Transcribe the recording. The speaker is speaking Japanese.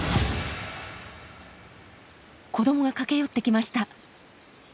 子どもが駆け寄ってきました。